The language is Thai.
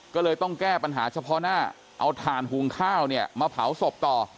ก็เลยต้องแก้ปัญหาเฉพาะหน้าเอาถ่านหุงข้าวเนี่ยมาเผาศพต่อ